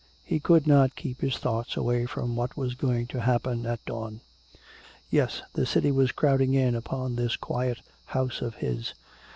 He could not keep his thoughts away from what was going to happen at dawn. Yes, the city was crowding in upon this quiet house of his.